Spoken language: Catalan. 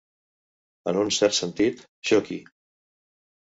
En un cert sentit, xoqui.